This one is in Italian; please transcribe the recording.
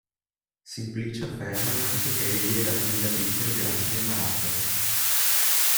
Simplicio afferma anche che egli era fin da piccolo gracile e malato.